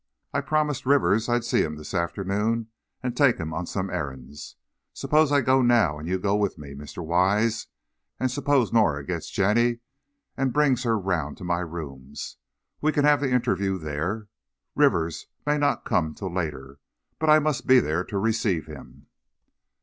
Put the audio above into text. "I promised Rivers I'd see him this afternoon, and take him on some errands. Suppose I go now, and you go with me, Mr. Wise, and suppose Norah gets Jenny and brings her round to my rooms. We can have the interview there; Rivers may not come till later, but I must be there to receive him."